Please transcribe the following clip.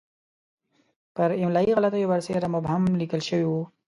پر املایي غلطیو برسېره مبهم لیکل شوی وو.